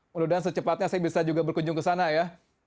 mudah secepatnya saya bisa juga berkunjung ke sana ya